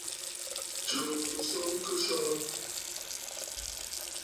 Tsùù fɨswo kɨswoŋǝ.